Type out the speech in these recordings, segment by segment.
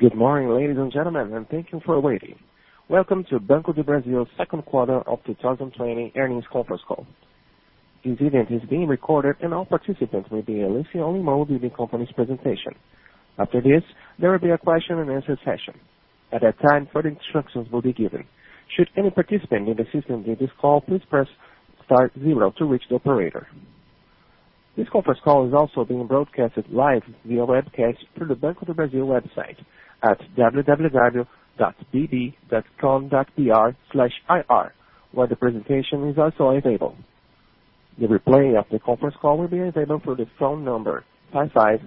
Good morning, ladies and gentlemen, and thank you for waiting. Welcome to Banco do Brasil's second quarter of 2020 earnings conference call. This event is being recorded, and all participants will be in listen-only mode during the company's presentation. After this, there will be a question-and-answer session. At that time, further instructions will be given. Should any participant need assistance during this call, please press star zero to reach the operator. This conference call is also being broadcast live via webcast through the Banco do Brasil website at www.bb.com.br/ir, where the presentation is also available. The replay of the conference call will be available through the phone number 551-121-880400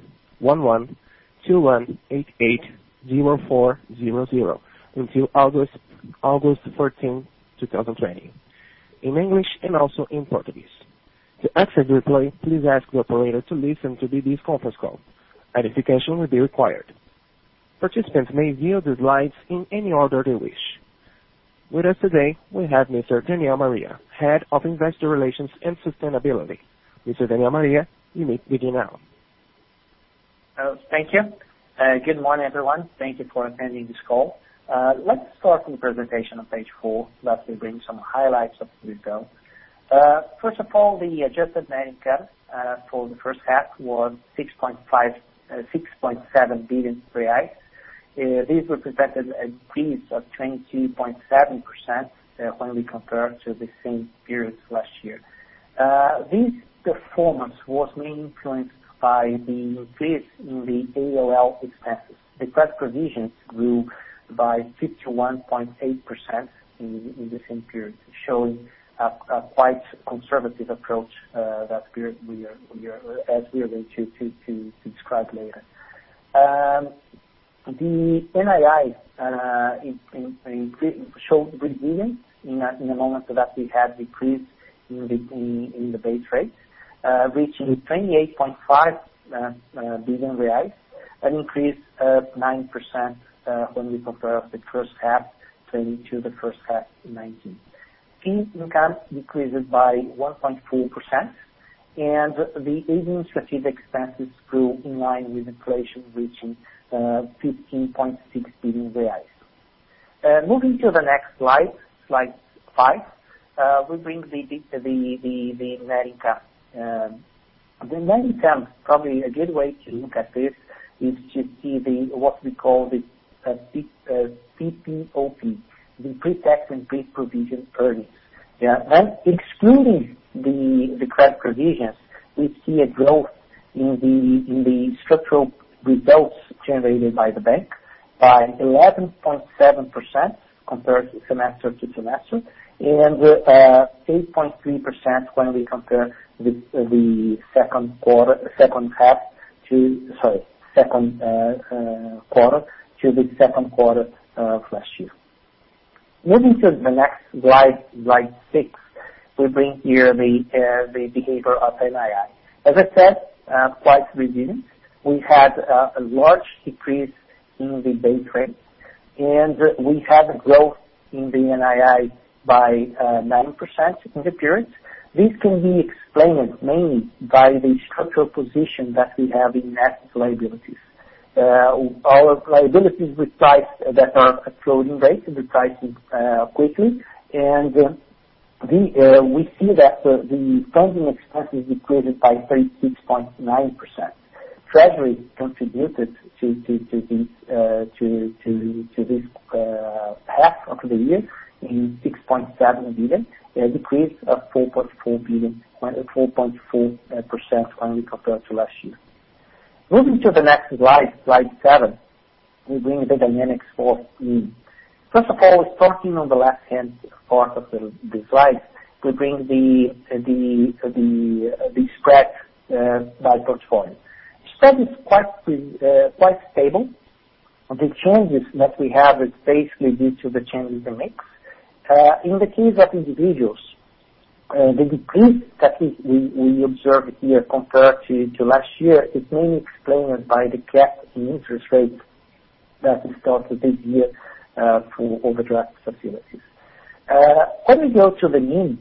until August 13, 2020, in English and also in Portuguese. To access the replay, please ask the operator to listen to this conference call. Identification will be required. Participants may view the slides in any order they wish. With us today, we have Mr. Daniel Maria, Head of Investor Relations and Sustainability. Mr. Daniel Maria, you may begin now. Thank you. Good morning, everyone. Thank you for attending this call. Let's start with the presentation of stage four. Let me bring some highlights of the event. First of all, the adjusted net income for the first half was 6.7 billion reais. This represented an increase of 22.7% when we compare to the same period last year. This performance was mainly influenced by the increase in the allowance for loan losses. The credit provisions grew by 51.8% in the same period, showing a quite conservative approach that we are going to describe later. The NII showed good gains in the moment that we had decreased in the base rate, reaching 28.5 billion reais, an increase of 9% when we compare the first half to the first half in 2019. Fee income decreased by 1.4%, and the administrative expenses grew in line with inflation, reaching 15.6 billion reais. Moving to the next slide, slide five, we bring the net income. The net income, probably a good way to look at this, is to see what we call the PPOP, the Pre-Tax and Pre-Provision Earnings. Excluding the credit provisions, we see a growth in the structural results generated by the bank by 11.7% compared semester to semester and 8.3% when we compare the second quarter to the second quarter last year. Moving to the next slide, slide six, we bring here the behavior of NII. As I said, quite recent, we had a large decrease in the base rate, and we had a growth in the NII by 9% in the period. This can be explained mainly by the structural position that we have in net liabilities. Our liabilities that are floating rates are pricing quickly, and we see that the funding expenses decreased by 36.9%. Treasury contributed to this half of the year in R$ 6.7 billion, a decrease of 4.4% when we compare to last year. Moving to the next slide, slide seven, we bring the dynamics for NII. First of all, we're starting on the left-hand part of the slide. We bring the spread by portfolio. The spread is quite stable. The changes that we have are basically due to the changes in the mix. In the case of individuals, the decrease that we observe here compared to last year is mainly explained by the cap in interest rate that is thought to be here for overdraft facilities. When we go to the SME,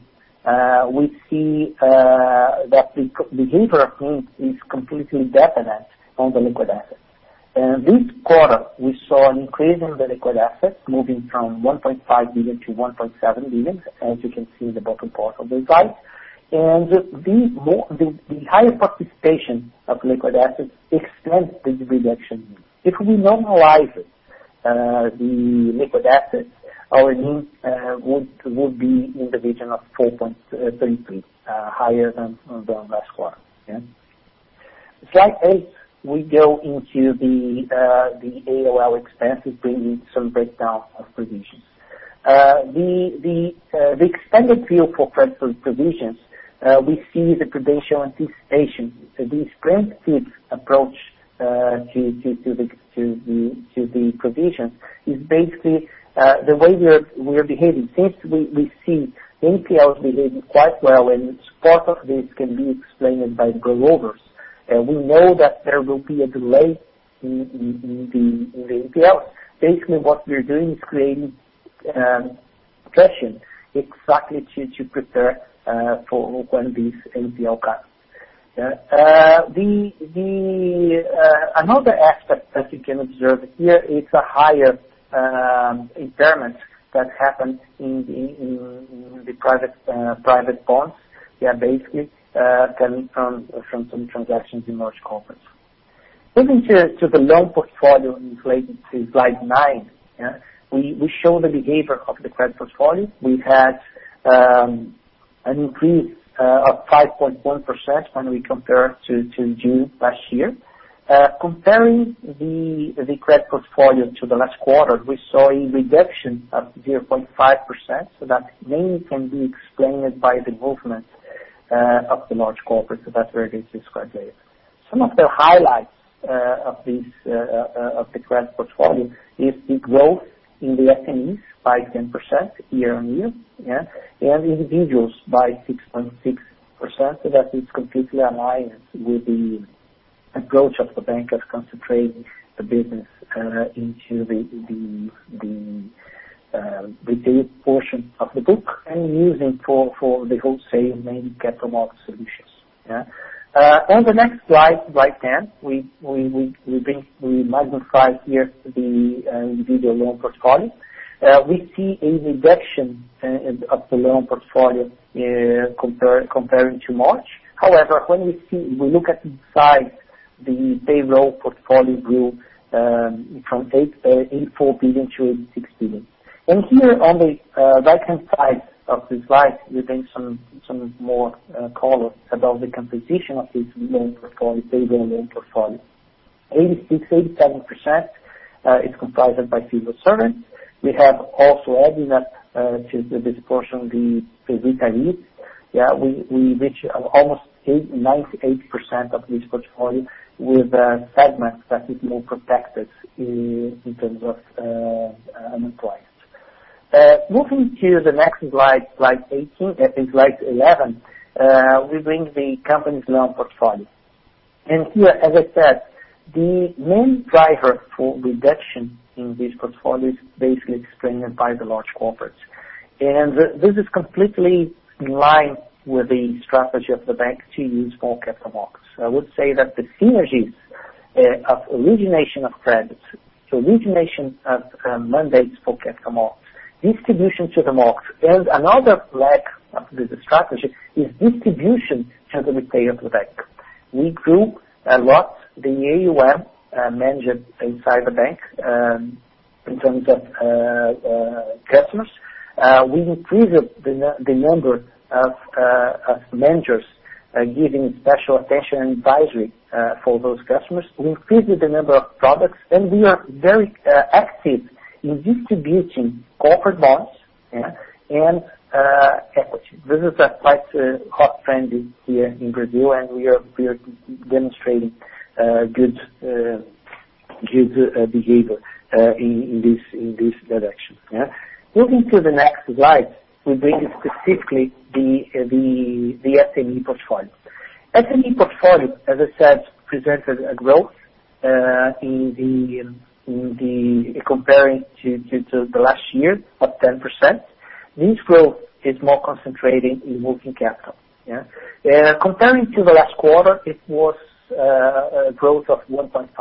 we see that the behavior of SMEs is completely dependent on the liquid assets. This quarter, we saw an increase in the liquid assets moving from 1.5 billion-1.7 billion, as you can see in the bottom part of the slide, and the higher participation of liquid assets extends the reduction. If we normalize the liquid assets, our mean would be in the region of 4.33, higher than the last quarter. Slide eight, we go into the allowance for loan losses bringing some breakdown of provisions. The extended view for credit provisions. We see the credit deterioration. The stage-based approach to the provisions is basically the way we are behaving. Since we see the NPLs behaving quite well, and part of this can be explained by the growth orders. We know that there will be a delay in the NPLs. Basically, what we're doing is creating provisions exactly to prepare for when this NPL comes. Another aspect that you can observe here is a higher impairment that happened in the private bonds, basically coming from some transactions in large corporates. Moving to the loan portfolio in slide nine, we show the behavior of the credit portfolio. We had an increase of 5.1% when we compare to June last year. Comparing the credit portfolio to the last quarter, we saw a reduction of 0.5%. That mainly can be explained by the movement of the large corporates that we're going to describe later. Some of the highlights of the credit portfolio is the growth in the SMEs by 10% year on year, and individuals by 6.6%. That is completely aligned with the approach of the bank of concentrating the business into the retail portion of the book and using for the wholesale mainly capital market solutions. On the next slide, right hand, we magnify here the individual loan portfolio. We see a reduction of the loan portfolio compared to March. However, when we look at the size, the payroll portfolio grew from R$ 84 billion to R$ 86 billion. And here, on the right-hand side of the slide, we bring some more colors about the composition of this loan portfolio, payroll loan portfolio. 86-87% is comprised by civil servants. We have also added up to the disproportion of the retirees. We reach almost 98% of this portfolio with segments that are more protected in terms of unemployment. Moving to the next slide, slide 18, slide 11, we bring the company's loan portfolio. And here, as I said, the main driver for reduction in this portfolio is basically explained by the large corporates. This is completely in line with the strategy of the bank to use more capital markets. I would say that the synergies of origination of credits, origination of mandates for capital markets, distribution to the markets, and another leg of the strategy is distribution to the retail of the bank. We grew a lot. The AUM under management inside the bank in terms of customers. We increased the number of managers giving special attention and advisory for those customers. We increased the number of products, and we are very active in distributing corporate bonds and equity. This is quite a hot trend here in Brazil, and we are demonstrating good behavior in this direction. Moving to the next slide, we bring specifically the SME portfolio. SME portfolio, as I said, presented a growth in comparison to the last year of 10%. This growth is more concentrated in working capital. Comparing to the last quarter, it was a growth of 1.5%.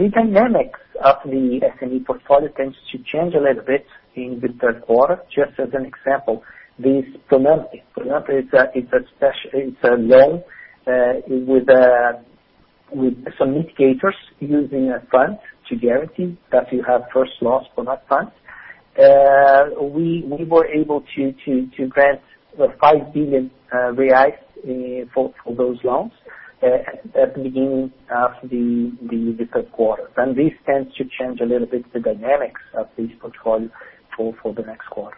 The dynamics of the SME portfolio tends to change a little bit in the third quarter. Just as an example, this Pronampe, Pronampe is a loan with some mitigators using a fund to guarantee that you have first loss for that fund. We were able to grant 5 billion reais for those loans at the beginning of the third quarter. And this tends to change a little bit the dynamics of this portfolio for the next quarter.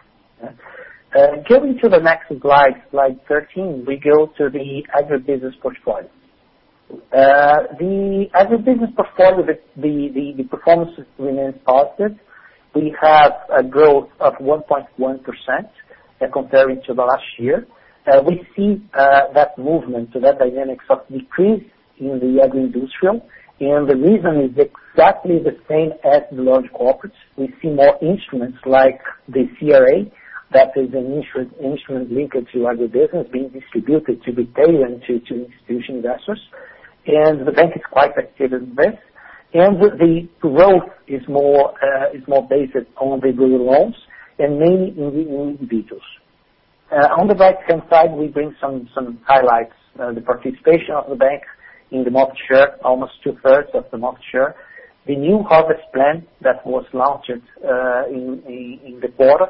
Going to the next slide, slide 13, we go to the agribusiness portfolio. The agribusiness portfolio, the performance remains positive. We have a growth of 1.1% compared to the last year. We see that movement, that dynamics of decrease in the agro-industrial. And the reason is exactly the same as the large corporates. We see more instruments like the CRA, that is an instrument linked to agribusiness, being distributed to retail and to institutional investors. And the bank is quite active in this. And the growth is more based on the growth loans and mainly in individuals. On the right-hand side, we bring some highlights. The participation of the bank in the market share, almost two-thirds of the market share. The new Harvest Plan that was launched in the quarter,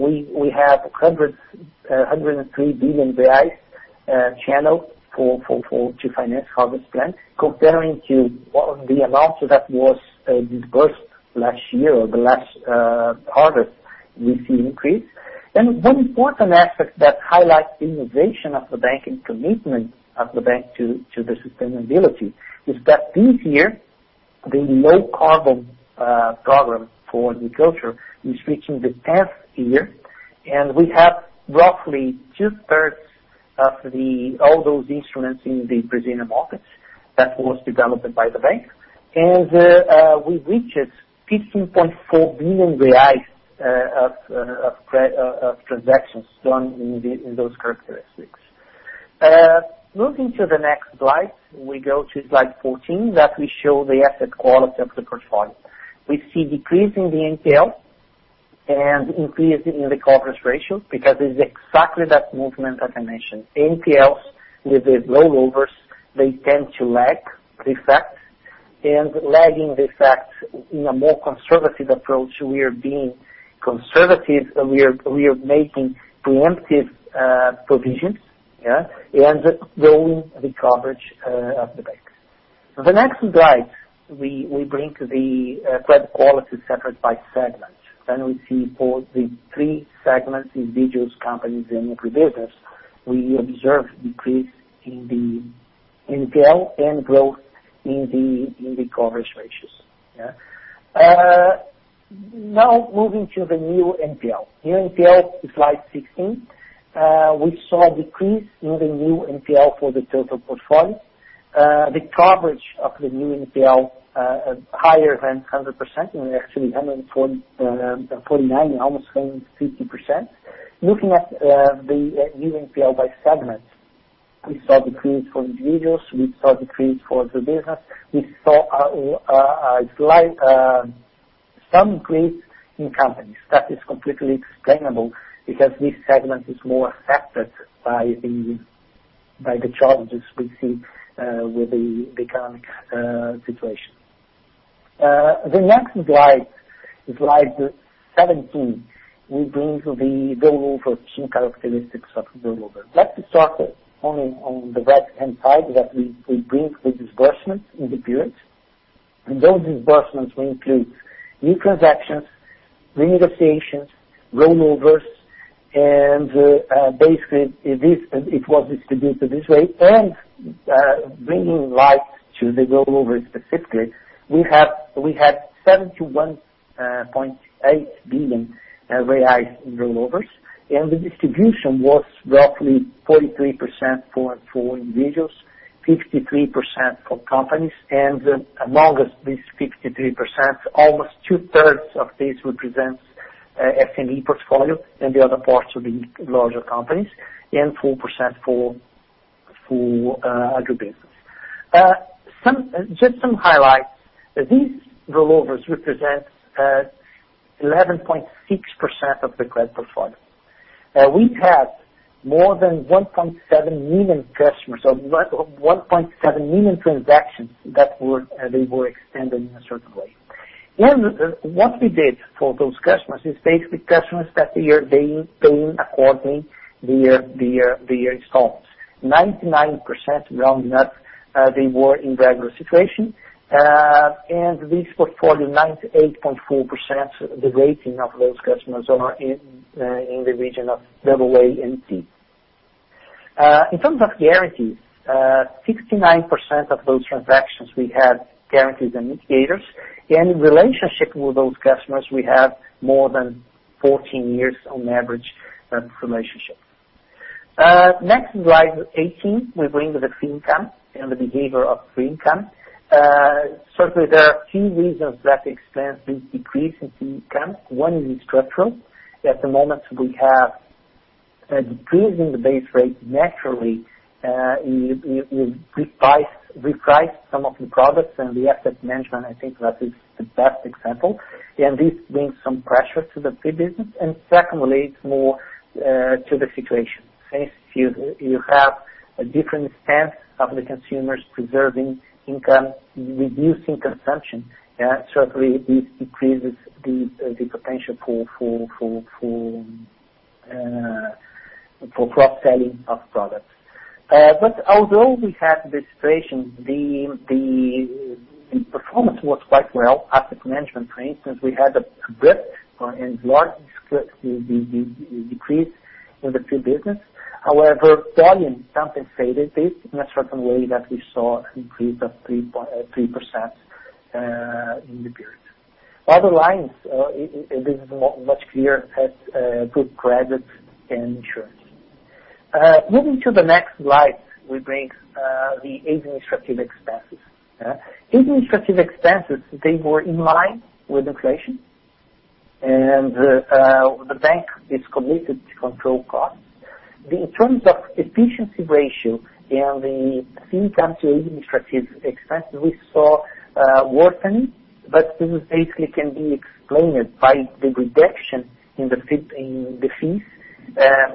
we have 103 billion BRL channeled to finance Harvest Plan. Comparing to the amount that was disbursed last year or the last harvest, we see an increase. And one important aspect that highlights the innovation of the bank and commitment of the bank to the sustainability is that this year, the Low Carbon Agriculture Program is reaching the 10th year. We have roughly two-thirds of all those instruments in the Brazilian markets that were developed by the bank. We reached 15.4 billion reais of transactions done in those characteristics. Moving to the next slide, we go to slide 14 that we show the asset quality of the portfolio. We see decrease in the NPL and increase in the coverage ratio because it's exactly that movement that I mentioned. NPLs with the rollovers, they tend to lag the effect. Lagging the effect, in a more conservative approach, we are being conservative. We are making preemptive provisions and growing the coverage of the bank. The next slide, we bring the credit quality separated by segment. Then we see for the three segments, individuals, companies, and agribusiness, we observe decrease in the NPL and growth in the coverage ratios. Now, moving to the new NPL. New NPL, slide 16. We saw a decrease in the new NPL for the total portfolio. The coverage of the new NPL is higher than 100%. We're actually 149%, almost 150%. Looking at the new NPL by segment, we saw decrease for individuals. We saw decrease for the business. We saw some increase in companies. That is completely explainable because this segment is more affected by the challenges we see with the economic situation. The next slide, slide 17, we bring the rollover key characteristics of the rollover. Let's start on the right-hand side that we bring the disbursements in the period. And those disbursements will include new transactions, renegotiations, rollovers, and basically, it was distributed this way. And bringing light to the rollover specifically, we had 71.8 billion reais in rollovers. And the distribution was roughly 43% for individuals, 53% for companies. Amongst this 53%, almost two-thirds of this represents SME portfolio and the other parts of the larger companies and 4% for agribusiness. Just some highlights. These rollovers represent 11.6% of the credit portfolio. We had more than 1.7 million customers or 1.7 million transactions that were extended in a certain way. And what we did for those customers is basically customers that they are paying accordingly their installments. 99% rounded up, they were in regular situation. And this portfolio, 98.4%, the rating of those customers are in the region of AA and A. In terms of guarantees, 69% of those transactions we had guarantees and mitigators. And in relationship with those customers, we have more than 14 years on average relationship. Next slide, 18, we bring the fee income and the behavior of fee income. Certainly, there are a few reasons that explain the decrease in fee income. One is structural. At the moment, we have a decrease in the base rate naturally. We've repriced some of the products and the asset management. I think that is the best example, and this brings some pressure to the fee business, and secondly, it's more situational. Since you have a different stance of the consumers preserving income, reducing consumption, certainly this decreases the potential for cross-selling of products. But although we had this situation, the performance was quite well. Asset management, for instance, we had a large decrease in the fee business. However, volume compensated this in a certain way that we saw an increase of 3% in the period. Other lines, this is much clearer as good credit and insurance. Moving to the next slide, we bring the administrative expenses. Administrative expenses, they were in line with inflation, and the bank is committed to control costs. In terms of efficiency ratio and the fee income to administrative expenses, we saw worsening. But this basically can be explained by the reduction in the fees,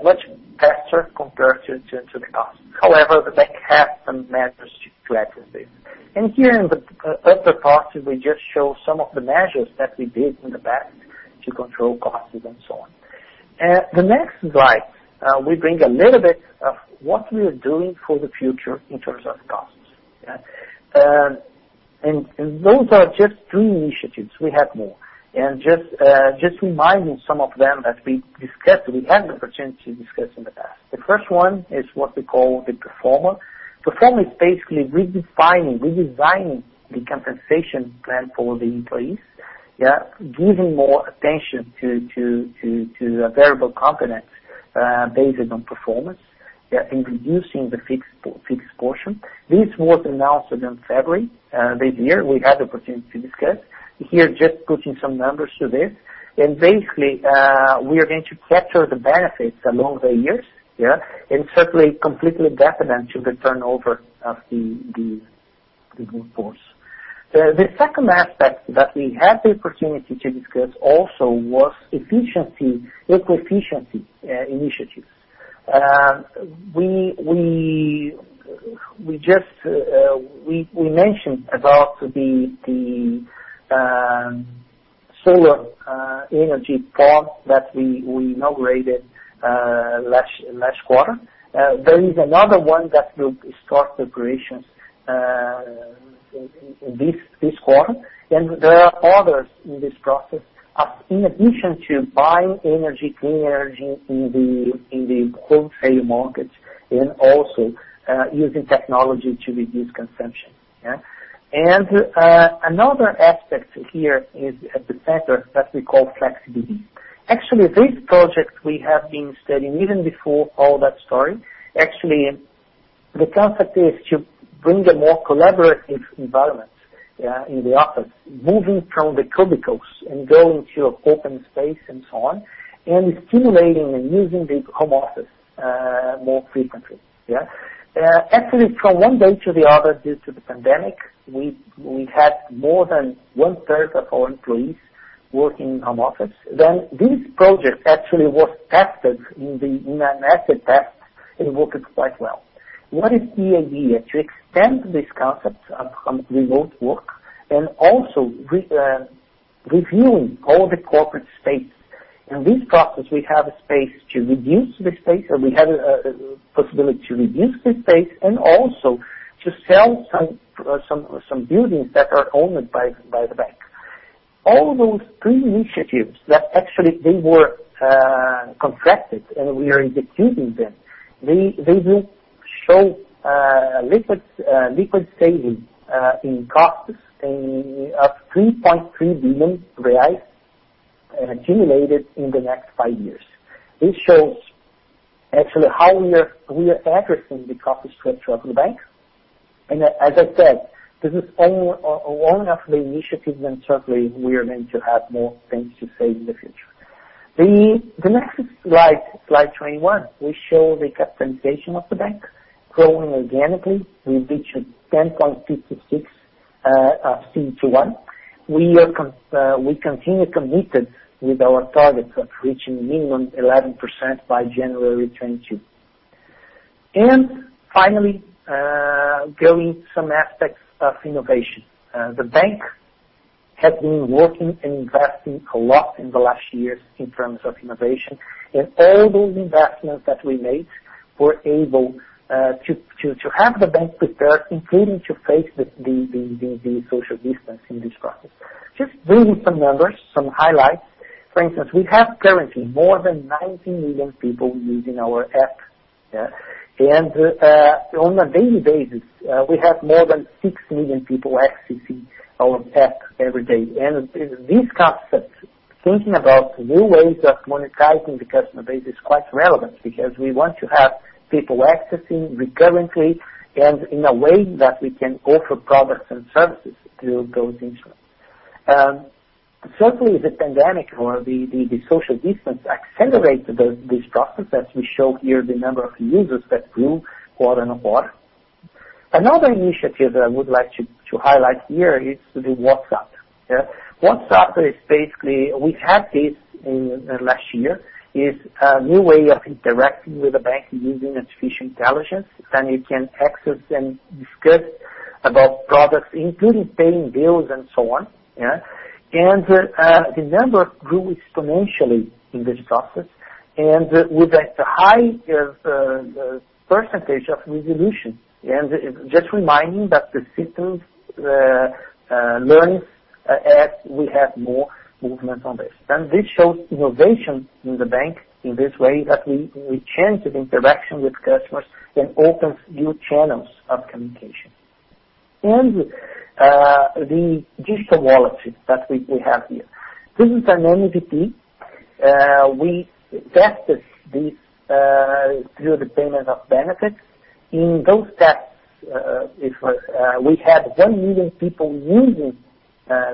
much faster compared to the cost. However, the bank has some measures to address this. And here in the upper part, we just show some of the measures that we did in the past to control costs and so on. The next slide, we bring a little bit of what we are doing for the future in terms of costs. And those are just three initiatives. We have more. And just reminding some of them that we discussed, we had the opportunity to discuss in the past. The first one is what we call the Performa. Performa is basically redefining, redesigning the compensation plan for the employees, giving more attention to variable components based on performance and reducing the fixed portion. This was announced in February this year. We had the opportunity to discuss. Here, just putting some numbers to this, and basically, we are going to capture the benefits along the years and certainly completely detrimental to the turnover of the workforce. The second aspect that we had the opportunity to discuss also was efficiency, equal efficiency initiatives. We mentioned about the solar energy farm that we inaugurated last quarter. There is another one that will start operations this quarter, and there are others in this process, in addition to buying energy, clean energy in the wholesale markets and also using technology to reduce consumption. Another aspect here is at the center that we call flexibility. Actually, this project we have been studying even before all that story. Actually, the concept is to bring a more collaborative environment in the office, moving from the cubicles and going to an open space and so on, and stimulating and using the home office more frequently. Actually, from one day to the other, due to the pandemic, we had more than one-third of our employees working in home office. Then this project actually was tested in an asset test and worked quite well. What is the idea? To extend this concept of remote work and also reviewing all the corporate space. In this process, we have a space to reduce the space, and we have a possibility to reduce the space and also to sell some buildings that are owned by the bank. All those three initiatives that actually they were contracted, and we are executing them, they will show liquid savings in costs of 3.3 billion reais accumulated in the next five years. This shows actually how we are addressing the cost structure of the bank. As I said, this is only after the initiative, and certainly we are going to have more things to say in the future. The next slide, slide 21, we show the capitalization of the bank growing organically. We reached 10.56 of CET1. We continue committed with our target of reaching minimum 11% by January 2022. Finally, going to some aspects of innovation. The bank has been working and investing a lot in the last years in terms of innovation. All those investments that we made were able to have the bank prepared, including to face the social distancing in this process. Just bringing some numbers, some highlights. For instance, we have currently more than 90 million people using our app, and on a daily basis, we have more than 6 million people accessing our app every day, and this concept, thinking about new ways of monetizing the customer base, is quite relevant because we want to have people accessing recurrently and in a way that we can offer products and services through those instruments. Certainly, the pandemic or the social distance accelerated this process as we show here the number of users that grew quarter on quarter. Another initiative that I would like to highlight here is the WhatsApp. WhatsApp is basically we had this last year, is a new way of interacting with the bank using artificial intelligence, and you can access and discuss about products, including paying bills and so on, and the number grew exponentially in this process. With a high percentage of resolution. Just reminding that the systems learning as we have more movement on this. This shows innovation in the bank in this way that we changed the interaction with customers and opened new channels of communication. The digital wallet that we have here. This is an MVP. We tested this through the payment of benefits. In those tests, we had 1 million people using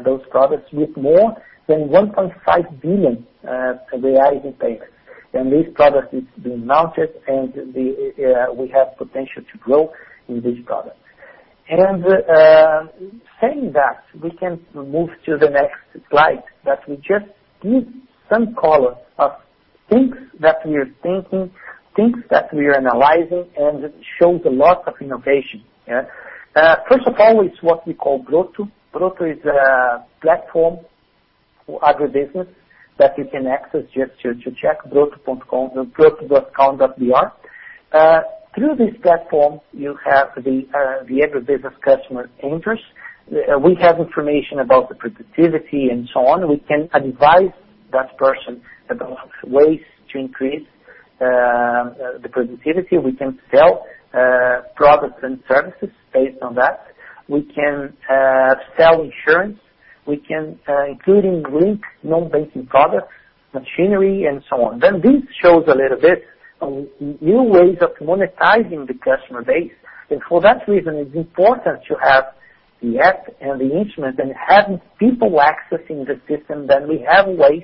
those products with more than 1.5 billion reais in payments. This product is being launched, and we have potential to grow in this product. Saying that, we can move to the next slide that we just give some color of things that we are thinking, things that we are analyzing, and it shows a lot of innovation. First of all, it's what we call Broto. Broto is a platform for agribusiness that you can access just to check broto.com. Through this platform, you have the agribusiness customer interest. We have information about the productivity and so on. We can advise that person about ways to increase the productivity. We can sell products and services based on that. We can sell insurance, including link, non-banking products, machinery, and so on, then this shows a little bit new ways of monetizing the customer base, and for that reason, it's important to have the app and the instruments and having people accessing the system, then we have ways,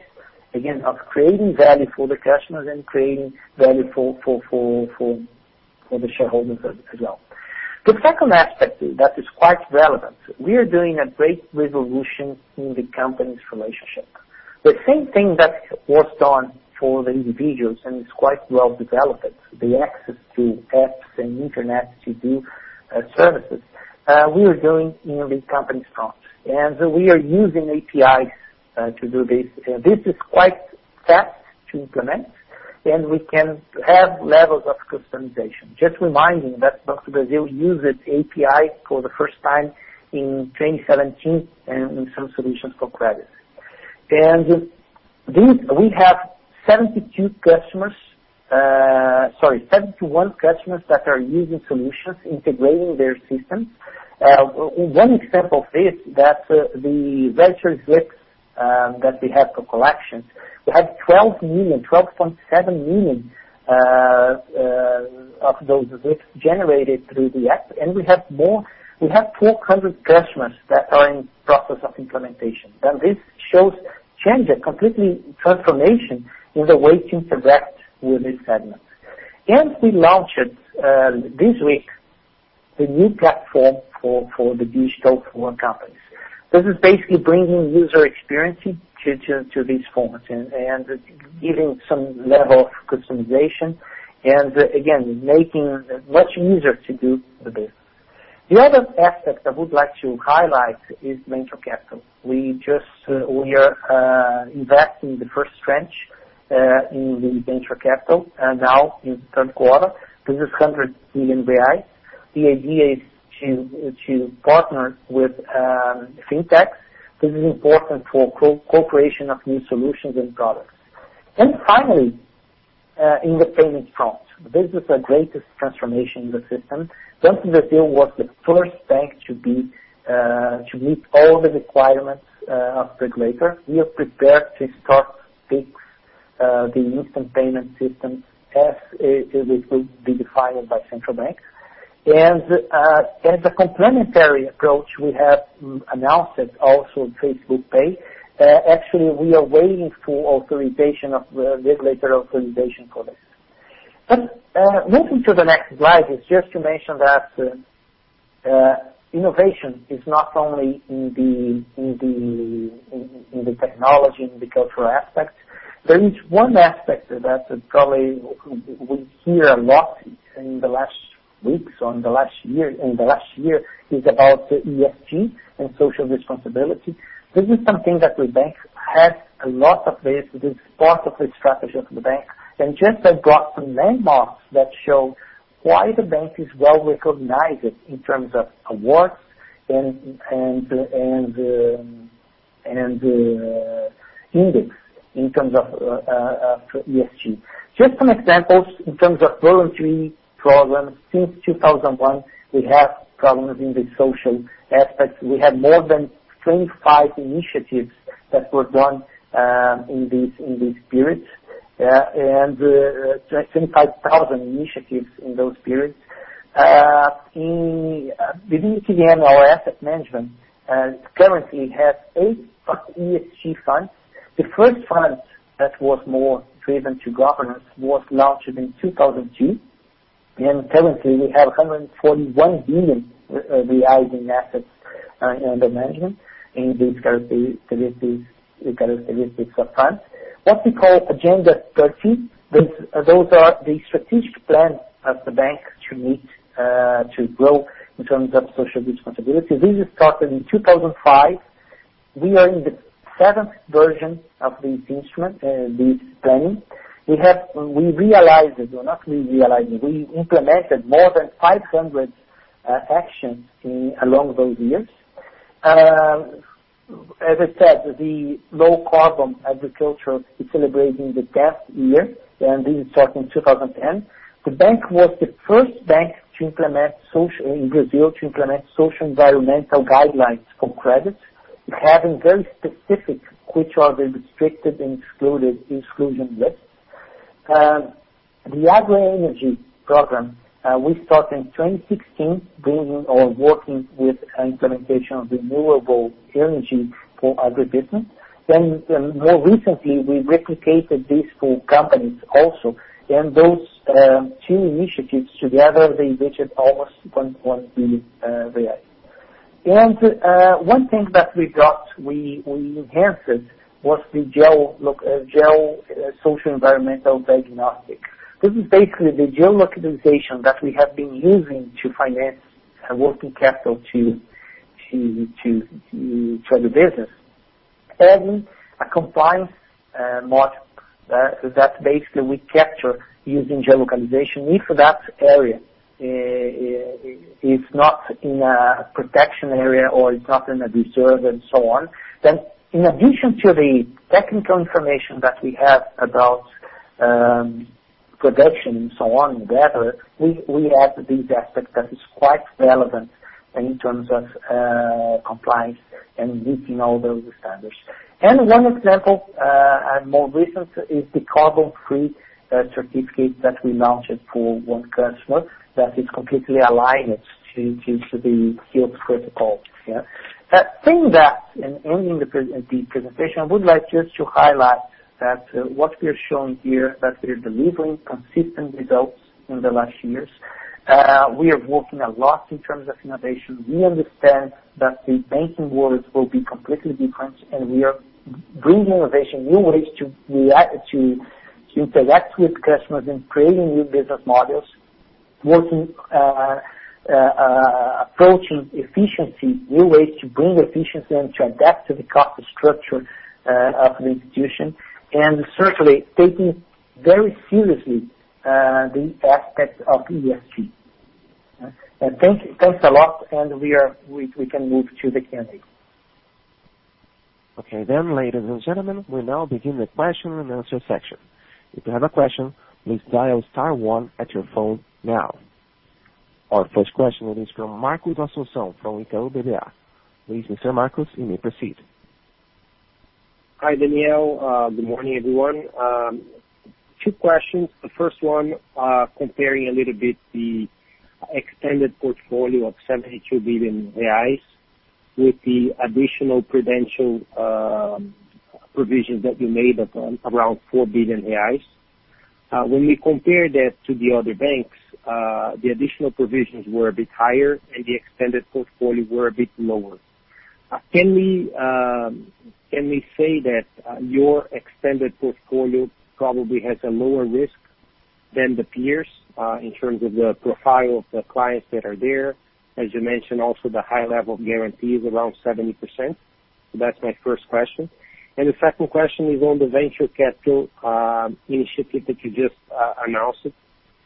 again, of creating value for the customers and creating value for the shareholders as well. The second aspect that is quite relevant, we are doing a great resolution in the company's relationship. The same thing that was done for the individuals and is quite well developed, the access to apps and internet to do services, we are doing in the company's front. And we are using APIs to do this. This is quite fast to implement, and we can have levels of customization. Just reminding that Banco do Brasil used API for the first time in 2017 and some solutions for credit. And we have 72 customers sorry, 71 customers that are using solutions, integrating their systems. One example of this is that the boleto that we have for collections, we have 12 million, 12.7 million of those boletos generated through the app. And we have 400 customers that are in the process of implementation. And this shows change, a completely transformation in the way to interact with this segment. We launched this week the new platform for the digital for companies. This is basically bringing user experience to these forms and giving some level of customization and, again, making it much easier to do the business. The other aspect I would like to highlight is venture capital. We are investing the first tranche in venture capital now in the third quarter. This is 100 million. The idea is to partner with fintechs. This is important for co-creation of new solutions and products. Finally, in the payment front, this is the greatest transformation in the system. Banco do Brasil was the first bank to meet all the requirements of the regulator. We are prepared to start Pix, the instant payment system as it will be defined by Central Bank. As a complementary approach, we have announced also Facebook Pay. Actually, we are waiting for authorization of the regulatory authorization for this. But moving to the next slide is just to mention that innovation is not only in the technology and the cultural aspect. There is one aspect that probably we hear a lot in the last weeks or in the last year is about ESG and social responsibility. This is something that the bank has a lot of this as part of the strategy of the bank. And just I brought some landmarks that show why the bank is well recognized in terms of awards and indices in terms of ESG. Just some examples in terms of voluntary programs. Since 2001, we have programs in the social aspects. We have more than 25 initiatives that were done in these periods and 25,000 initiatives in those periods. The BB Asset Management currently has eight ESG funds. The first fund that was more driven to governance was launched in 2002. And currently, we have 141 million reais in assets under management in these characteristics of funds. What we call Agenda 30, those are the strategic plans of the bank to meet, to grow in terms of social responsibility. This is started in 2005. We are in the seventh version of this instrument, this planning. We realized, or not we realized, we implemented more than 500 actions along those years. As I said, the low carbon agriculture is celebrating the 10th year, and this is starting in 2010. The bank was the first bank to implement in Brazil to implement social environmental guidelines for credit, having very specific, which are the restricted and exclusion lists. The agroenergy program, we started in 2016, working with implementation of renewable energy for agribusiness. Then more recently, we replicated this for companies also, and those two initiatives together, they reached almost 1.1 billion, and one thing that we got, we enhanced, was the geo-social environmental diagnostic. This is basically the geolocation that we have been using to finance working capital to the business and a compliance model that basically we capture using geolocation. If that area is not in a protection area or it's not in a reserve and so on, then in addition to the technical information that we have about production and so on, we add these aspects that is quite relevant in terms of compliance and meeting all those standards, and one example, more recent, is the carbon-free certificate that we launched for one customer that is completely aligned to the HILTS protocol. That being that, ending the presentation, I would like just to highlight that what we are showing here, that we are delivering consistent results in the last years. We are working a lot in terms of innovation. We understand that the banking world will be completely different, and we are bringing innovation, new ways to interact with customers and creating new business models, approaching efficiency, new ways to bring efficiency and to adapt to the cost structure of the institution, and certainly taking very seriously the aspect of ESG. Thanks a lot, and we can move to the Q&A. Okay. Then, ladies and gentlemen, we now begin the question and answer section. If you have a question, please dial star one at your phone now. Our first question, it is from Marcos Assumpção from Itaú BBA. Please Mr. Marcos, you may proceed. Hi, Daniel. Good morning, everyone. Two questions. The first one, comparing a little bit the extended portfolio of 72 billion reais with the additional credit provisions that you made around 4 billion reais. When we compare that to the other banks, the additional provisions were a bit higher, and the extended portfolio were a bit lower. Can we say that your extended portfolio probably has a lower risk than the peers in terms of the profile of the clients that are there? As you mentioned, also the high level of guarantee is around 70%. That's my first question, and the second question is on the venture capital initiative that you just announced.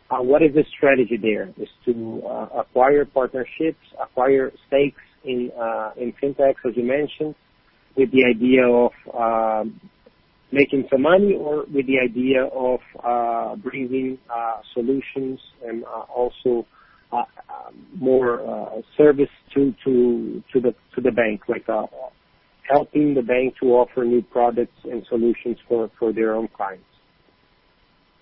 What is the strategy there? Is to acquire partnerships, acquire stakes in fintechs, as you mentioned, with the idea of making some money or with the idea of bringing solutions and also more service to the bank, like helping the bank to offer new products and solutions for their own clients?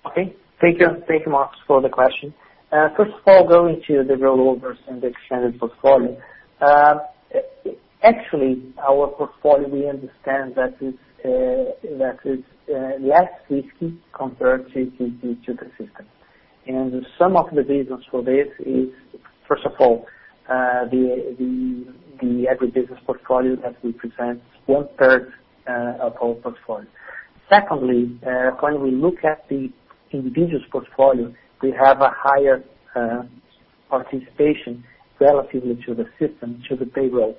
Okay. Thank you, Marco, for the question. First of all, going to the rollovers in the extended portfolio. Actually, our portfolio, we understand that it's less risky compared to the system. And some of the reasons for this is, first of all, the agribusiness portfolio that we present is one-third of our portfolio. Secondly, when we look at the individual's portfolio, we have a higher participation relative to the system, to the payroll.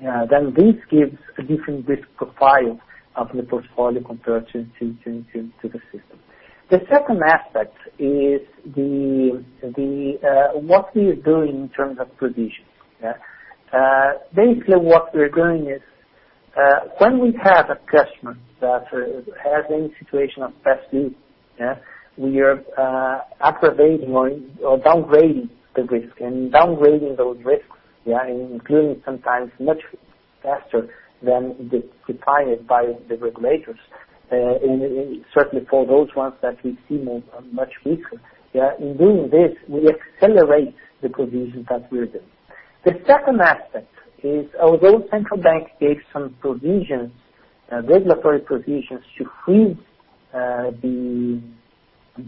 Then this gives a different risk profile of the portfolio compared to the system. The second aspect is what we are doing in terms of provisions. Basically, what we are doing is when we have a customer that has any situation of past due, we are aggravating or downgrading the risk and downgrading those risks, including sometimes much faster than defined by the regulators, certainly for those ones that we see much weaker. In doing this, we accelerate the provisions that we are doing. The second aspect is, although central bank gave some provisions, regulatory provisions to free the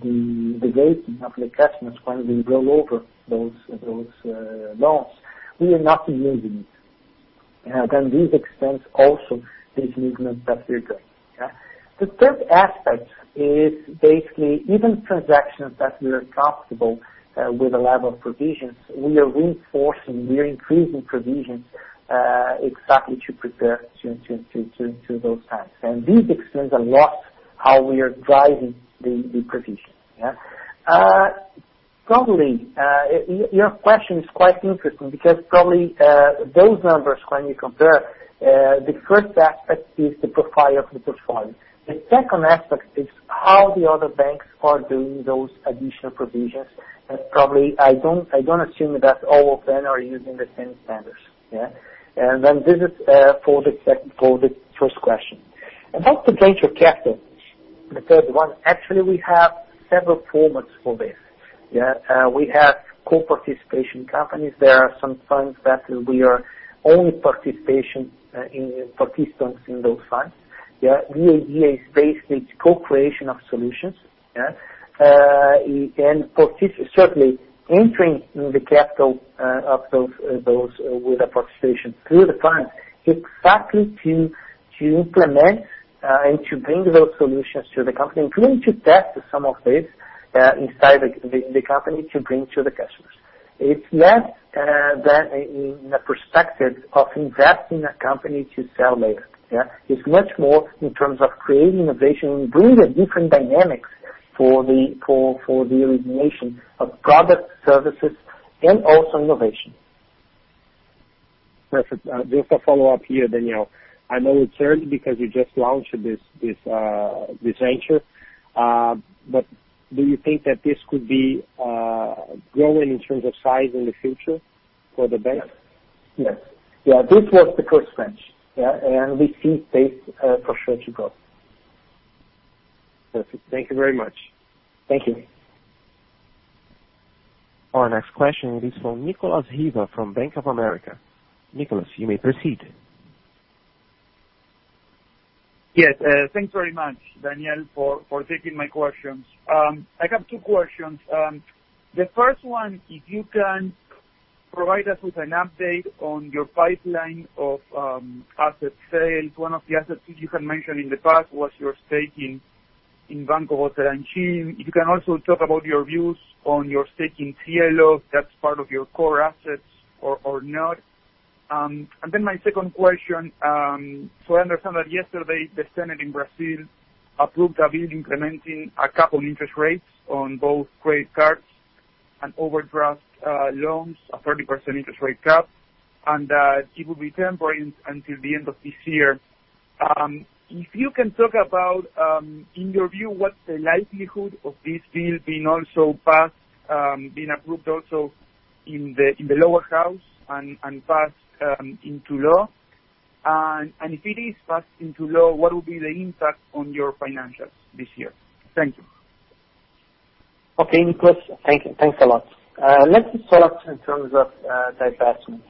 rate of the customers when we roll over those loans, we are not using it. Then these extend also these movements that we are doing. The third aspect is basically even transactions that we are comfortable with a level of provisions, we are reinforcing, we are increasing provisions exactly to prepare to those times, and these extend a lot how we are driving the provisions. Probably, your question is quite interesting because probably those numbers, when you compare, the first aspect is the profile of the portfolio. The second aspect is how the other banks are doing those additional provisions. And probably, I don't assume that all of them are using the same standards. And then this is for the first question. About the venture capital, the third one, actually, we have several formats for this. We have co-participation companies. There are some funds that we are only participants in those funds. The idea is basically co-creation of solutions and certainly entering in the capital of those with a participation through the funds exactly to implement and to bring those solutions to the company, including to test some of this inside the company to bring to the customers. It's less than in the perspective of investing in a company to sell later. It's much more in terms of creating innovation and bringing different dynamics for the origination of products, services, and also innovation. Perfect. Just a follow-up here, Daniel. I know it's early because you just launched this venture, but do you think that this could be growing in terms of size in the future for the bank? Yes. Yeah. This was the first bench, and we see this for sure to grow. Perfect. Thank you very much. Thank you. Our next question is from Nicolas Riva from Bank of America. Nicolas, you may proceed. Yes. Thanks very much, Daniel, for taking my questions. I have two questions. The first one, if you can provide us with an update on your pipeline of asset sales. One of the assets you had mentioned in the past was your stake in Banco do Brasil. You can also talk about your views on your stake in Cielo. That's part of your core assets or not. And then my second question, so I understand that yesterday the Senate in Brazil approved a bill implementing a couple of interest rates on both credit cards and overdraft loans, a 30% interest rate cap, and that it will be temporary until the end of this year. If you can talk about, in your view, what's the likelihood of this bill being also passed, being approved also in the lower house and passed into law? And if it is passed into law, what will be the impact on your financials this year? Thank you. Okay, Nicolas. Thanks a lot. Let's start in terms of divestments.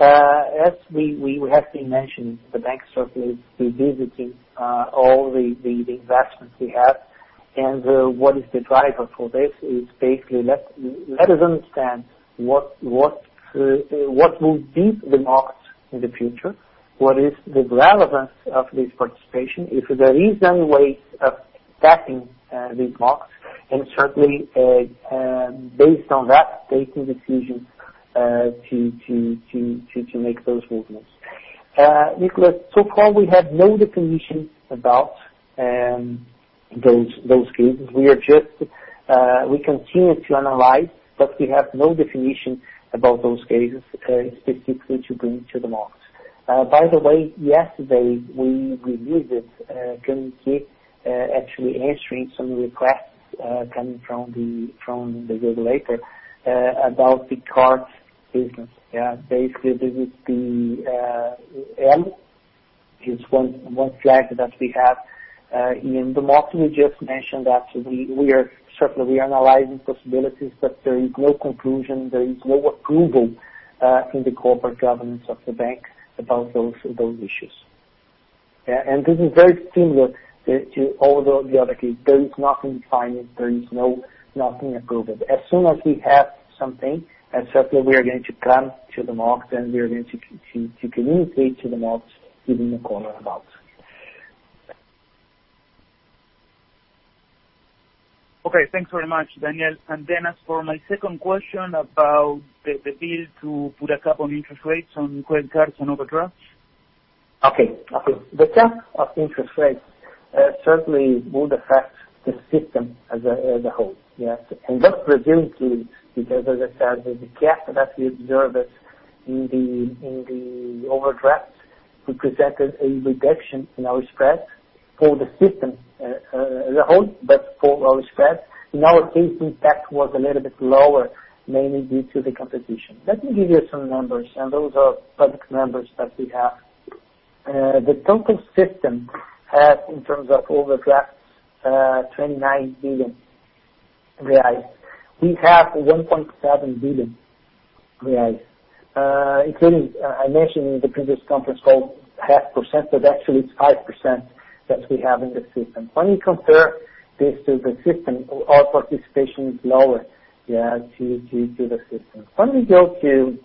As we have been mentioning, the bank certainly is revisiting all the investments we have. And what is the driver for this? It is basically, let us understand what will be the markets in the future, what is the relevance of this participation, if there is any way of tapping these markets, and certainly based on that, taking decisions to make those movements. Nicolas, so far, we have no definition about those cases. We continue to analyze, but we have no definition about those cases specifically to bring to the market. By the way, yesterday, we revisited, actually answering some requests coming from the regulator about the card business. Basically, this is the M; it is one flag that we have in the market. We just mentioned that we are certainly analyzing possibilities, but there is no conclusion, there is no approval in the corporate governance of the bank about those issues. And this is very similar to all the other cases. There is nothing defined, there is nothing approved. As soon as we have something, certainly we are going to come to the market and we are going to communicate to the market within the core about. Okay. Thanks very much, Daniel, and then as for my second question about the bill to put a cap on interest rates on credit cards and overdrafts. Okay. The cap of interest rates certainly would affect the system as a whole, and that's presumably because, as I said, the cap that we observed in the overdrafts represented a reduction in our spreads for the system as a whole, but for our spreads. In our case, the impact was a little bit lower, mainly due to the competition. Let me give you some numbers, and those are public numbers that we have. The total system has, in terms of overdrafts, 29 billion reais. We have 1.7 billion reais, including I mentioned in the previous conference call, 0.5%, but actually it's 5% that we have in the system. When we compare this to the system, our participation is lower due to the system. When we go to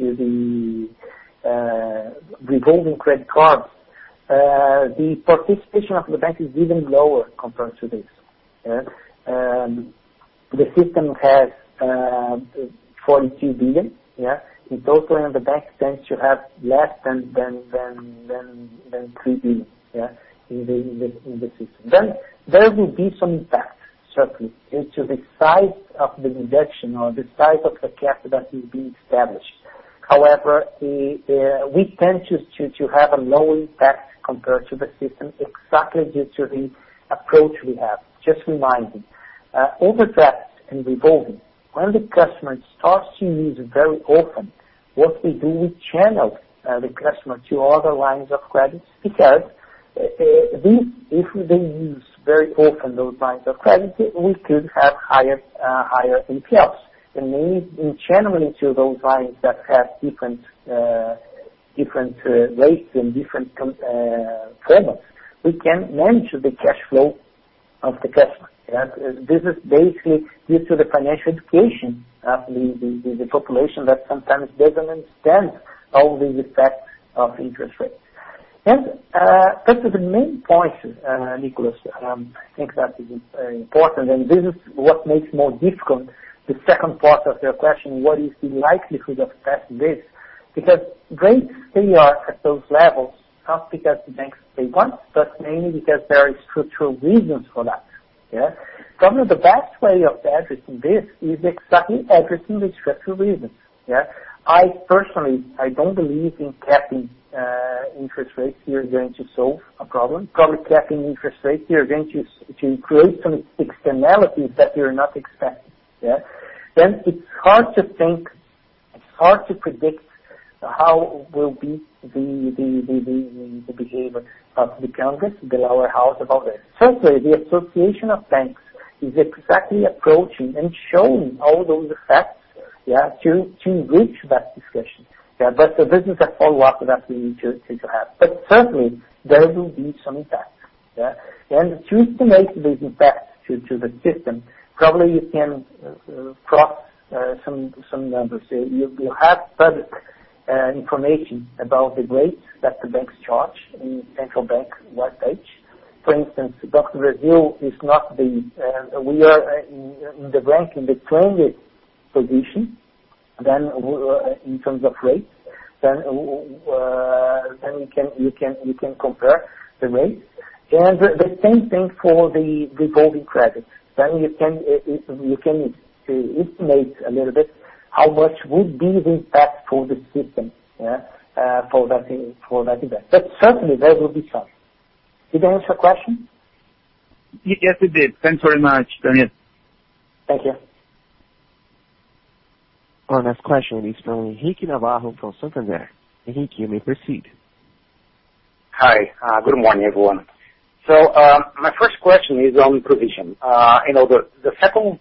the revolving credit cards, the participation of the bank is even lower compared to this. The system has 42 billion. In total, the bank tends to have less than 3 billion in the system. Then there will be some impact, certainly, due to the size of the reduction or the size of the cap that is being established. However, we tend to have a low impact compared to the system exactly due to the approach we have. Just reminding, overdrafts and revolving, when the customer starts to use very often, what we do, we channel the customer to other lines of credit because if they use very often those lines of credit, we could have higher ATRs, and mainly in channeling to those lines that have different rates and different formats, we can manage the cash flow of the customer. This is basically due to the financial education of the population that sometimes doesn't understand all the effects of interest rates, and that's the main point, Nicolas. I think that is important, and this is what makes more difficult the second part of your question, what is the likelihood of pass this? Because rates stay at those levels not because the banks stay bad, but mainly because there are structural reasons for that. Probably the best way of addressing this is exactly addressing the structural reasons. I personally, I don't believe in capping interest rates is going to solve a problem. Probably capping interest rates is going to create some externalities that you're not expecting. Then it's hard to think, it's hard to predict how will be the behavior of the Congress, the lower house about this. Certainly, the association of banks is exactly approaching and showing all those effects to reach that discussion. But this is a follow-up that we need to have. But certainly, there will be some impacts. And to estimate these impacts to the system, probably you can crunch some numbers. You have further information about the rates that the banks charge in Central Bank web page. For instance, Banco do Brasil is not; we are in the rank in the 20th position in terms of rates. Then you can compare the rates. And the same thing for the revolving credits. Then you can estimate a little bit how much would be the impact for the system for that impact. But certainly, there will be some. Did I answer your question? Yes, it did. Thanks very much, Daniel. Thank you. Our next question is from Henrique Navarro do Santander. Henrique, you may proceed. Hi. Good morning, everyone. So my first question is on provision. The second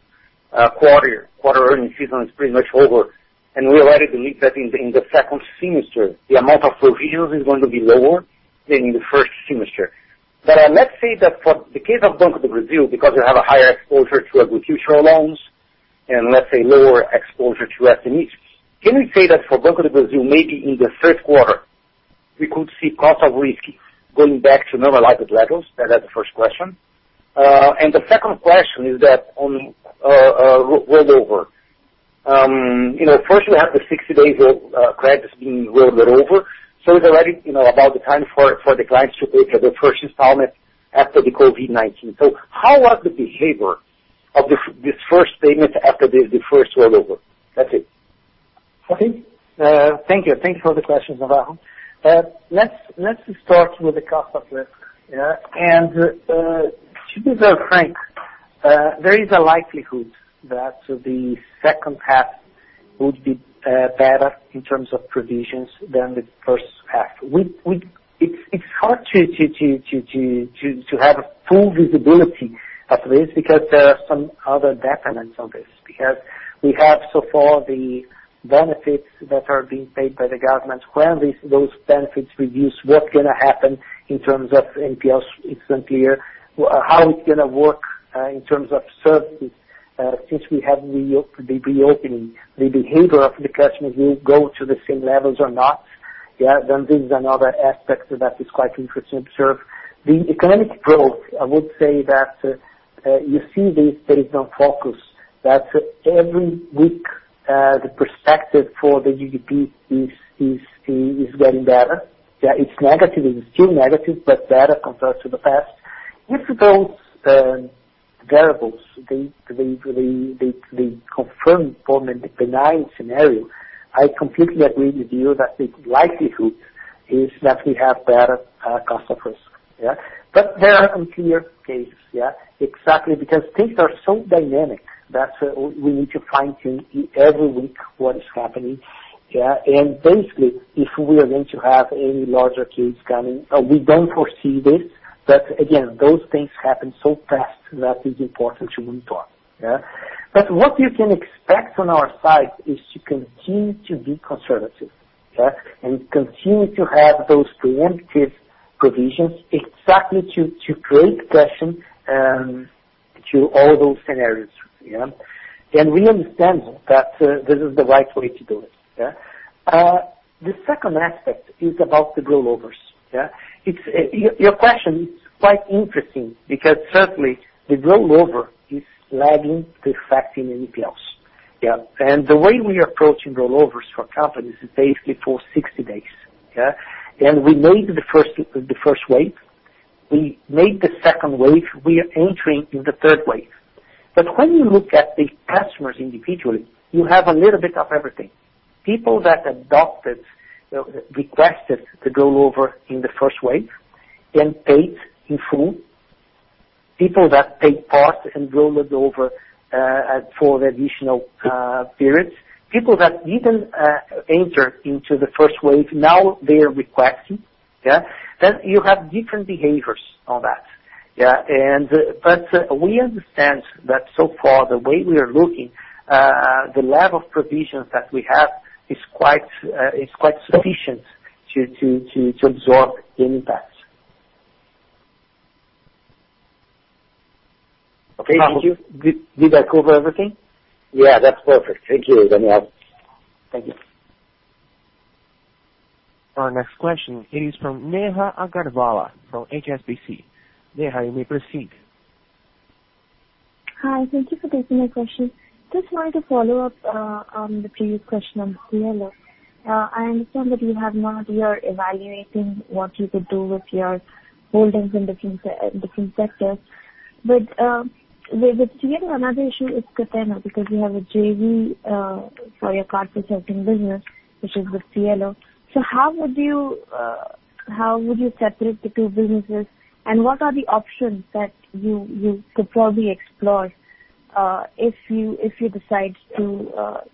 quarter earnings season is pretty much over, and we already believe that in the second semester, the amount of provisions is going to be lower than in the first semester. But let's say that for the case of Banco do Brasil, because you have a higher exposure to agricultural loans and let's say lower exposure to SMEs, can we say that for Banco do Brasil, maybe in the third quarter, we could see cost of risk going back to normalized levels? That is the first question, and the second question is that on rollover. First, we have the 60-day credit being rolled over, so it's already about the time for the clients to pay for the first installment after the COVID-19, so how was the behavior of this first payment after the first rollover? That's it. Okay. Thank you. Thank you for the questions, Navarro. Let's start with the cost of risk, and to be very frank, there is a likelihood that the second half would be better in terms of provisions than the first half. It's hard to have full visibility of this because there are some other data on this, because we have so far the benefits that are being paid by the government. When those benefits reduce, what's going to happen in terms of NPLs isn't clear. How it's going to work in terms of services since we have the reopening? The behavior of the customers will go to the same levels or not. Then this is another aspect that is quite interesting to observe. The economic growth, I would say that you see this based on forecasts that every week the perspective for the GDP is getting better. It's negative, it's still negative, but better compared to the past. If those variables confirm for the benign scenario, I completely agree with you that the likelihood is that we have better cost of risk. But there are unclear cases. Exactly because things are so dynamic that we need to fine-tune every week what is happening. And basically, if we are going to have any larger cases coming, we don't foresee this. But again, those things happen so fast that it's important to monitor. But what you can expect on our side is to continue to be conservative and continue to have those preemptive provisions exactly to create cushion to all those scenarios. And we understand that this is the right way to do it. The second aspect is about the rollovers. Your question is quite interesting because certainly the rollover is lagging to facing NPLs. And the way we approach rollovers for companies is basically for 60 days. And we made the first wave. We made the second wave. We are entering in the third wave. But when you look at the customers individually, you have a little bit of everything. People that adopted, requested to go over in the first wave and paid in full. People that paid part and rolled over for the additional periods. People that didn't enter into the first wave, now they are requesting. Then you have different behaviors on that. But we understand that so far, the way we are looking, the level of provisions that we have is quite sufficient to absorb the impacts. Okay, Nicolas. Thank you. Did I cover everything? Yeah, that's perfect. Thank you, Daniel. Thank you. Our next question is from Neha Agarvala from HSBC. Neha, you may proceed. Hi. Thank you for taking my question. Just wanted to follow up on the previous question on Cielo. I understand that you have not yet evaluated what you could do with your holdings in different sectors. But the Cielo another issue is Cateno because you have a JV for your card processing business, which is with Cielo. So how would you separate the two businesses? And what are the options that you could probably explore if you decide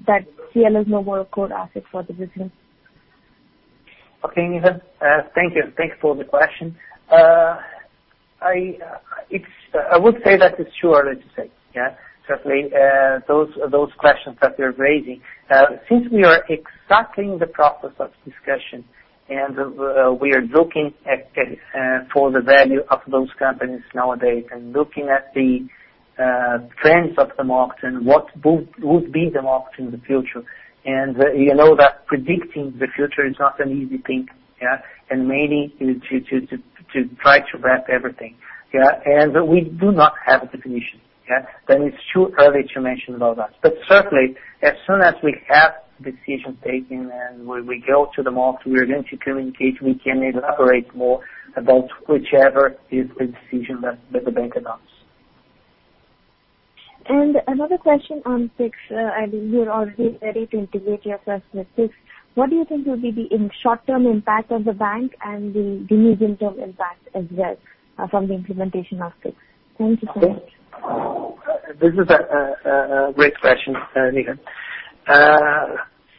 that Cielo is no more a core asset for the business? Okay, Neha. Thank you. Thank you for the question. I would say that it's too early to say. Certainly, those questions that you're raising, since we are exactly in the process of discussion and we are looking for the value of those companies nowadays and looking at the trends of the market and what would be the market in the future, and you know that predicting the future is not an easy thing, and mainly to try to wrap everything, and we do not have a definition, then it's too early to mention about that, but certainly, as soon as we have decisions taken and we go to the market, we are going to communicate, we can elaborate more about whichever is the decision that the bank announces, and another question on Pix. You're already ready to integrate yourself with Pix. What do you think will be the short-term impact on the bank and the medium-term impact as well from the implementation of Pix? Thank you so much. Okay. This is a great question, Neha.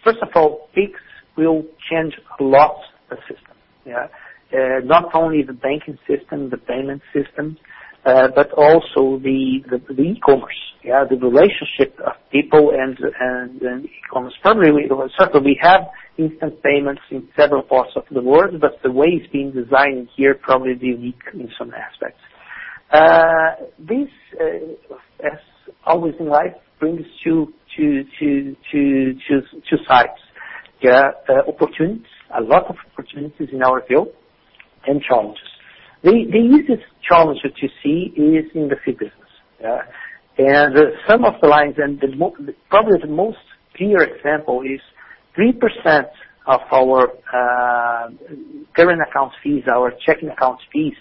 First of all, Pix will change a lot of the system. Not only the banking system, the payment system, but also the e-commerce, the relationship of people and e-commerce. Certainly, we have instant payments in several parts of the world, but the way it's being designed here probably is unique in some aspects. This, as always in life, brings you to two sides. Opportunities, a lot of opportunities in our field, and challenges. The easiest challenge to see is in the fee business. And some of the lines, and probably the most clear example is 3% of our current account fees, our checking account fees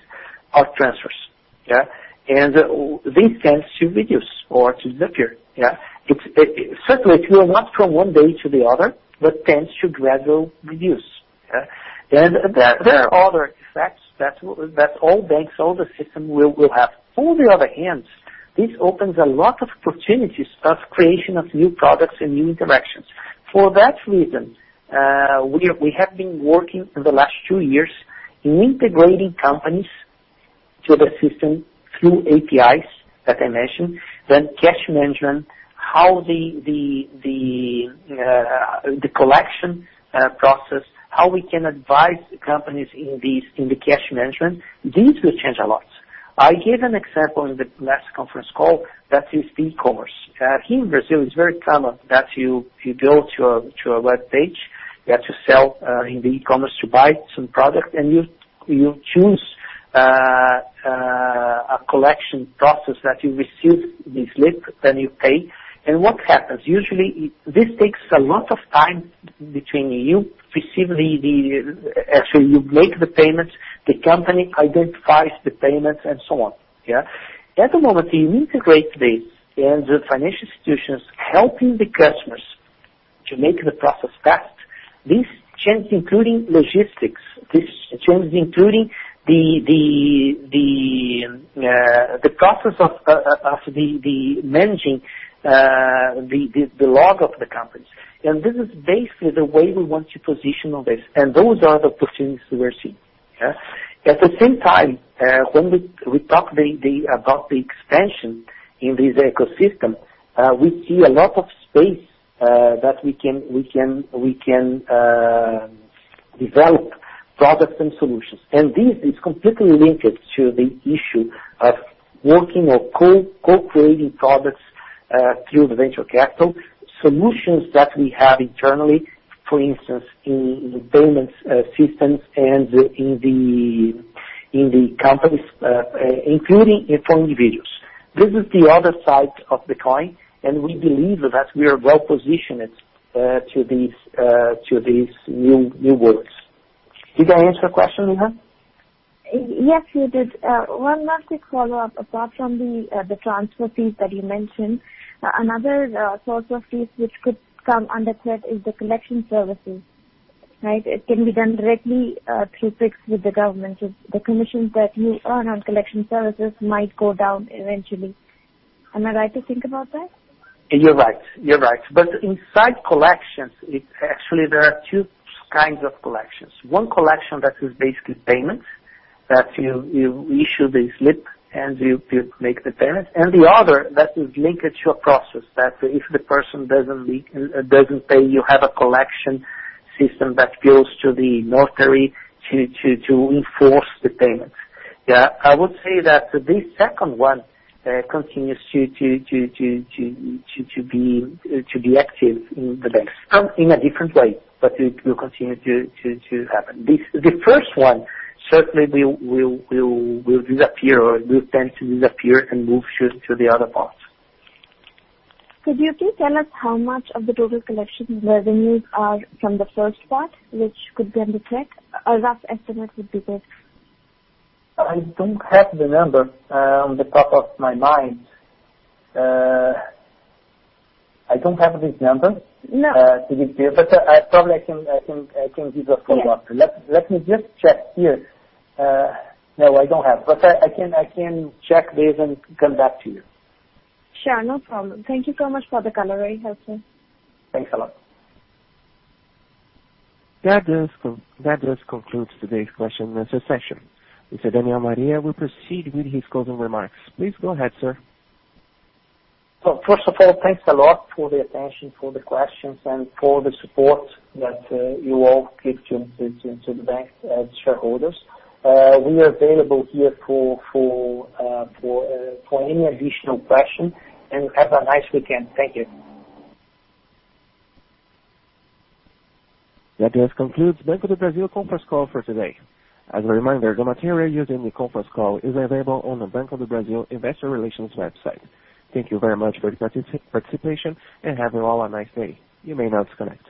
are transfers. And this tends to reduce or to disappear. Certainly, it will not from one day to the other, but tends to gradually reduce. There are other effects that all banks, all the system will have. On the other hand, this opens a lot of opportunities of creation of new products and new interactions. For that reason, we have been working in the last two years in integrating companies to the system through APIs that I mentioned, then cash management, how the collection process, how we can advise companies in the cash management. These will change a lot. I gave an example in the last conference call that is e-commerce. Here in Brazil, it's very common that you go to a web page that you sell in the e-commerce to buy some product, and you choose a collection process that you receive this list, then you pay. What happens? Usually, this takes a lot of time between you receiving the actually, you make the payments, the company identifies the payments, and so on. At the moment, you integrate this and the financial institutions helping the customers to make the process fast. This change, including logistics, this change including the process of managing the log of the companies, and this is basically the way we want to position on this, and those are the opportunities we're seeing. At the same time, when we talk about the expansion in this ecosystem, we see a lot of space that we can develop products and solutions, and this is completely linked to the issue of working or co-creating products through the venture capital, solutions that we have internally, for instance, in the payments systems and in the companies, including for individuals. This is the other side of the coin, and we believe that we are well positioned to these new worlds. Did I answer your question, Neha? Yes, you did. One last quick follow-up. Apart from the transfer fees that you mentioned, another source of fees which could come under threat is the collection services. It can be done directly through Pix with the government. The commissions that you earn on collection services might go down eventually. Am I right to think about that? You're right. You're right. But inside collections, actually, there are two kinds of collections. One collection that is basically payments, that you issue the slip and you make the payments. And the other that is linked to a process that if the person doesn't pay, you have a collection system that goes to the notary to enforce the payments. I would say that this second one continues to be active in the bank in a different way, but it will continue to happen. The first one, certainly, will disappear or will tend to disappear and move to the other parts. Could you please tell us how much of the total collection revenues are from the first part, which could be under threat? A rough estimate would be good. I don't have the number on the top of my mind. I don't have this number to give you, but probably I can give a follow-up. Let me just check here. No, I don't have. But I can check this and come back to you. Sure. No problem. Thank you so much for the color. Very helpful. Thanks a lot. That does conclude today's question and answer session. Mr. Daniel Maria will proceed with his closing remarks. Please go ahead, sir. First of all, thanks a lot for the attention, for the questions, and for the support that you all give to the bank as shareholders. We are available here for any additional question and have a nice weekend. Thank you. That does conclude Banco do Brasil conference call for today. As a reminder, the material used in the conference call is available on the Banco do Brasil investor relations website. Thank you very much for your participation and have a nice day. You may now disconnect.